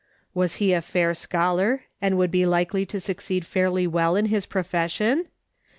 He was a fair scholar, and would be likely to succeed fairly well in his profes sion